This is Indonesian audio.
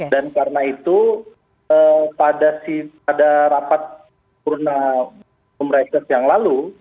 dan karena itu pada rapat kurna pemerintah yang lalu